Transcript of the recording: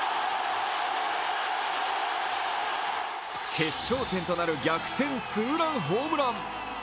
決勝点となる逆転ツーランホームラン。